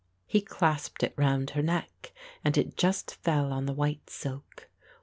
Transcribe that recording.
He clasped it round her neck and it just fell on the white silk.